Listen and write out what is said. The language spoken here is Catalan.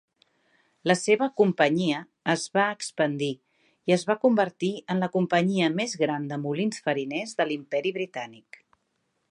La seva companyia es va expandir i es va convertir en la companyia més gran de molins fariners de l'Imperi Britànic.